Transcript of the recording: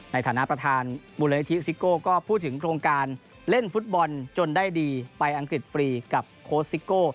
ในฐานะประธานมูลนิธิซิโก้ก็พูดถึงโครงการเล่นฟุตบอลจนได้ดีไปอังกฤษฟรีกับโค้ชซิโก้